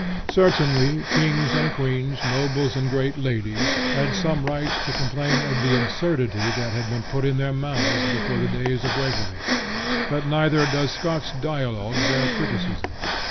Certainly, kings and queens, nobles and great ladies, had some right to complain of the absurdity that had been put in their mouths before the days of Waverley; but neither does Scott's dialogue bear criticism.